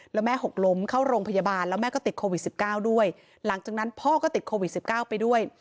แล้วแม่หกล้มเข้าโรงพยาบาลแล้วแม่ก็ติดโควิดสิบเก้าด้วยหลังจากนั้นพ่อก็ติดโควิดสิบเก้าไปด้วย